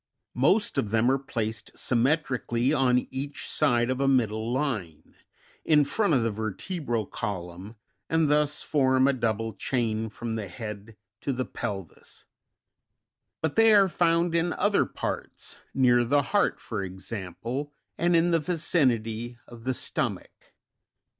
Most of them are placed symmetrically on each side of a middle line, in front of the vertebral column, and thus form a double chain from the head to the pelvis; but they are found in other parts : near the heart, for example, and in the vicinity of the stomach.